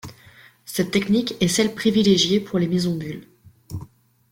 Cette technique est celle privilégiée pour les maisons bulles.